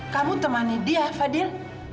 kamu temani dia fadil